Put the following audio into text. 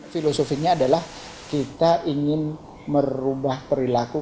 filosofinya adalah kita ingin merubah perilaku